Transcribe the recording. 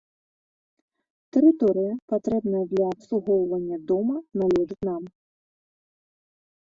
Тэрыторыя, патрэбная для абслугоўвання дома, належыць нам.